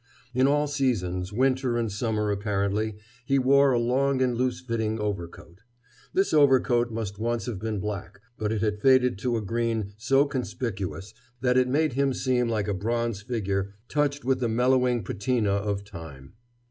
In all seasons, winter and summer, apparently, he wore a long and loose fitting overcoat. This overcoat must once have been black, but it had faded to a green so conspicuous that it made him seem like a bronze figure touched with the mellowing patina of time.